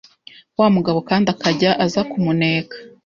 wa mugabo kandi akajya aza kumuneka